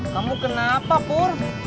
kamu kenapa pur